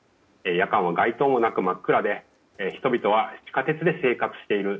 夜間は街灯もなく真っ暗で人々は地下鉄で生活している。